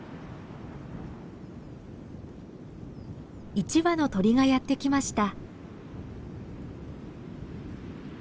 一羽の鳥がやって来ました。